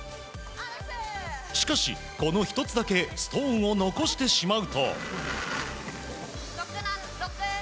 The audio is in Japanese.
しかし、この１つだけストーンを残してしまうと。